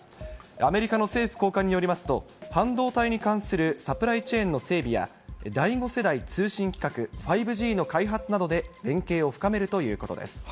アメリカの政府高官によりますと、半導体に関するサプライチェーンの整備や、第５世代通信規格、５Ｇの開発などで連携を深めるということです。